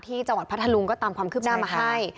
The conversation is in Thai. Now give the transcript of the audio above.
ที่จังหวัดพัทธรุงก็ตามความคืบหน้ามาให้